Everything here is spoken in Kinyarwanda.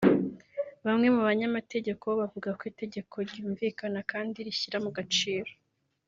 bamwe mu banyamategeko bo bavuga ko itegeko ryumvikana kandi rishyira mu gaciro